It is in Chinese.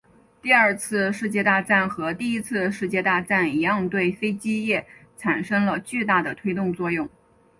第二次世界大战和第一次世界大战一样对飞机业产生了巨大的推动作用。